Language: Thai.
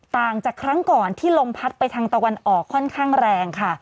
ต่างจากครั้งก่อนที่ลมพัดไปทางตะวันออกค่อนข้างแรงค่ะ